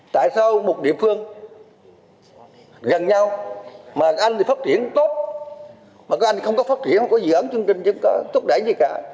tại sao một địa phương gần nhau mà anh phát triển tốt mà các anh không có phát triển không có gì ẩm chứng trên chuyến có thúc đẩy gì cả